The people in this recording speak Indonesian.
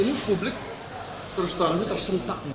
ini publik terus terang terus tersentak